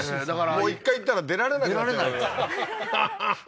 もう一回行ったら出られなくなっちゃうははは